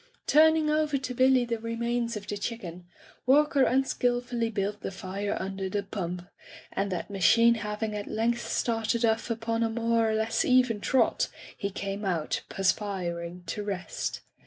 Turning over to Billy the remains of the chicken, Walker unskilfully built the fire un der the pump, and that machine having at length started off upon a more or less even trot, he came out, perspiring, to rest.